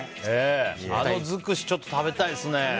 あの尽くしちょっと食べたいですね。